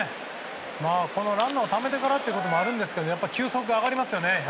ランナーをためてからということもありますが球速が上がりますよね。